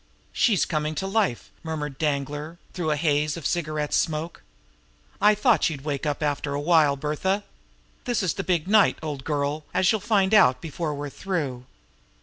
"She's coming to life!" murmured Danglar, through a haze of cigarette smoke. "I thought you'd wake up after a while, Bertha. This is the big night, old girl, as you'll find out before we're through."